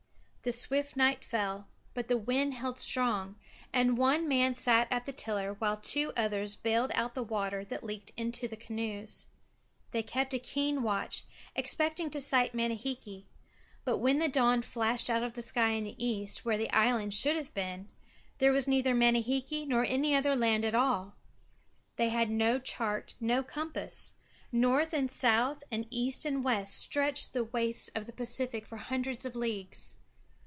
The swift night fell, but the wind held strong, and one man sat at the tiller while two others baled out the water that leaked into the canoes. They kept a keen watch, expecting to sight Manihiki; but when the dawn flashed out of the sky in the East, where the island should have been, there was neither Manihiki nor any other land at all. They had no chart nor compass; north and south and east and west stretched the wastes of the Pacific for hundreds of leagues.